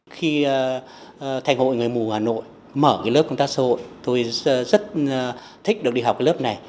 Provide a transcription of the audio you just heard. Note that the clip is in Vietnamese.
khi thành hội người mù hà nội mở lớp công tác xã hội tôi rất thích được đi học lớp này